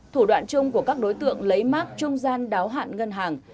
thủ đoạn chung của các đối tượng lấy mác trung gian đáo hạn ngân hàng